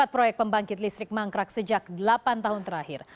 empat proyek pembangkit listrik mangkrak sejak delapan tahun terakhir